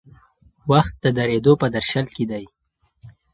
وخت د درېدو په درشل کې دی.